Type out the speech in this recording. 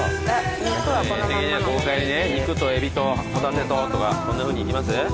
豪快にね肉とエビとホタテととかそんなふうにいきます？